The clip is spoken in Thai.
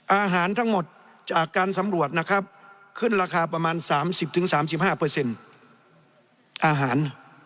อาหารทั้งหมดจากการสำรวจนะครับขึ้นราคาประมาณ๓๐๓๕อาหาร